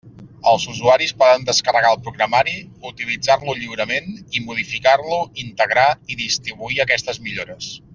Els usuaris poden descarregar el programari, utilitzar-lo lliurement i modificar-lo, integrar i distribuir aquestes millores.